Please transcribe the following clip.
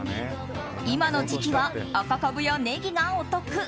今の時期は赤カブやネギがお得。